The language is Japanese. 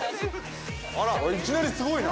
◆いきなりすごいな。